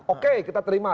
oke kita terima